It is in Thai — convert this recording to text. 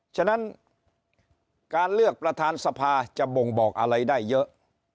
ฉะนั้นการเลือกประธานสภาจะบ่งบอกอะไรได้เยอะ